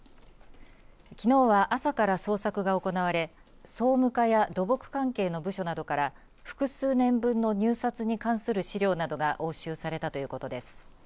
きのうは朝から捜索が行われ総務課や土木関係の部署などから複数年分の入札に関する資料などが押収されたということです。